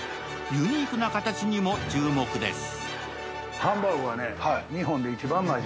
ユニークな形にも注目です。